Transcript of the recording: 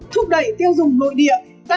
thúc đẩy tiêu dùng nội địa